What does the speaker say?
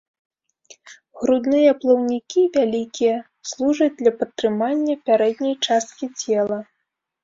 Грудныя плаўнікі вялікія, служаць для падтрымання пярэдняй часткі цела.